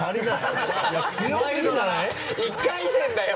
１回戦だよ？